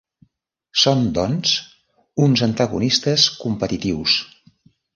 Són, doncs, uns antagonistes competitius.